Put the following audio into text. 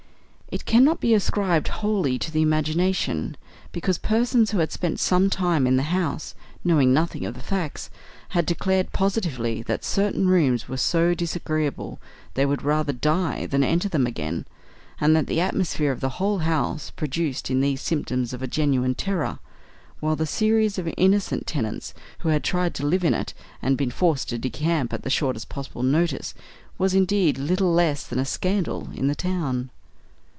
It cannot be ascribed wholly to the imagination, because persons who had spent some time in the house, knowing nothing of the facts, had declared positively that certain rooms were so disagreeable they would rather die than enter them again, and that the atmosphere of the whole house produced in them symptoms of a genuine terror; while the series of innocent tenants who had tried to live in it and been forced to decamp at the shortest possible notice, was indeed little less than a scandal in the town.